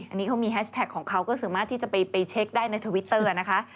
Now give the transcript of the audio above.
อันนี้เขามีแฮชแท็กของเขาก็สามารถที่จะไปเช็คได้ในทวิตเตอร์นะคะ